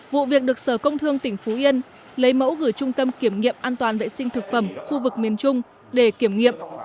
vụ việc được sở công thương tỉnh phú yên lấy mẫu gửi trung tâm kiểm nghiệm an toàn vệ sinh thực phẩm khu vực miền trung để kiểm nghiệm